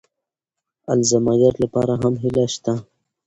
الزایمر لپاره هم هیله شته.